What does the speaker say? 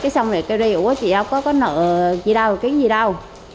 xong rồi kêu đi chị đâu có nợ gì đâu cái gì đâu